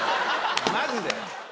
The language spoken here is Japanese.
マジで。